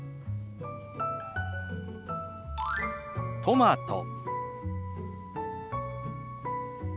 「トマト」。